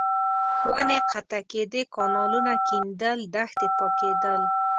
ونې قطع کېدې، کانالونه کېندل، دښتې پاکېدل.